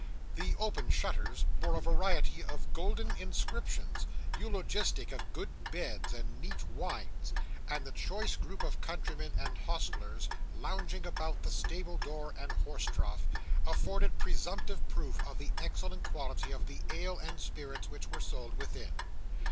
The open shutters bore a variety of golden inscriptions, eulogistic of good beds and neat wines; and the choice group of countrymen and hostlers lounging about the stable door and horse trough, afforded presumptive proof of the excellent quality of the ale and spirits which were sold within.